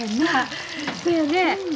そやね。